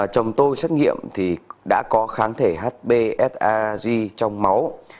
chồng tôi xét nghiệm thì đã có kháng thể hb sag trong máu